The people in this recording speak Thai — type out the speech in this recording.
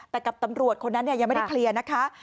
แต่กับตำรวจคนนั้นยังไม่ได้เคลียร์นะคะ